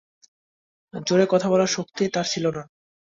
জোরে কথা বলার শক্তি তার ছিল না।